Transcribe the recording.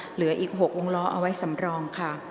เหลืออีก๖วงล้อเอาไว้สำรองค่ะ